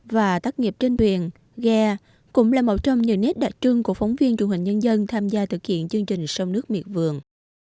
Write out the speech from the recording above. và tác nghiệp trên biển ghe cũng là một trong nhiều nét đặc trưng của phóng viên chủ hình nhân dân tham gia thực hiện chương trình sông nước miệt vườn